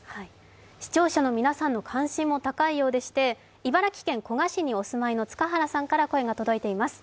視聴者の皆さんの関心も高いようでして、茨城県古河市にお住まいの塚原さんから声が届いています。